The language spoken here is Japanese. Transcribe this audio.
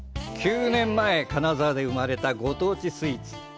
９年前、金沢で生まれたご当地スイーツ。